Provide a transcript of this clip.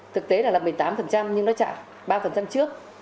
thực tế là một mươi tám nhưng nó chạm ba trước